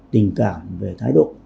tình cảm về thái độ